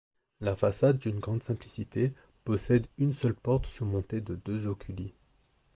La façade, d'une grande simplicité, possède une seule porte surmontée de deux oculi.